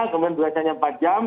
kemudian belajarnya empat jam